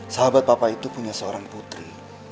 sahabat papa itu punya seorang putri